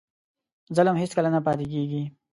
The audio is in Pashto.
ظلم هېڅکله نه پاتې کېږي.